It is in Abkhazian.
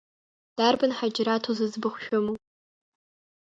Дарбан Ҳаџьараҭу зыӡбахә шәымоу?